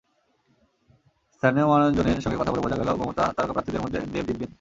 স্থানীয় মানুষজনের সঙ্গে কথা বলে বোঝা গেল, মমতার তারকা প্রার্থীদের মধ্যে দেব জিতবেন।